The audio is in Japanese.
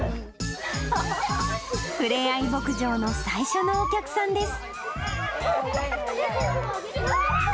ふれあい牧場の最初のお客さんです。